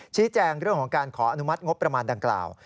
ชี้แจงเรื่องของการขออนุมัติงบประมาณดังกล่าว